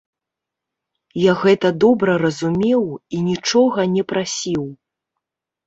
Я гэта добра разумеў і нічога не прасіў.